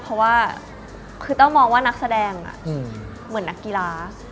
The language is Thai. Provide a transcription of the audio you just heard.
เพราะว่าคือแต้วมองว่านักแสดงเหมือนนักกีฬา